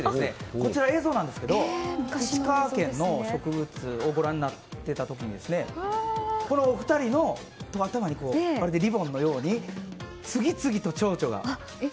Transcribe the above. こちらの映像ですが石川県の植物をご覧になっていた時にお二人の頭にリボンのように次々とちょうちょが。